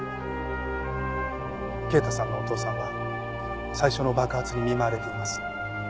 慶太さんのお父さんは最初の爆発に見舞われています。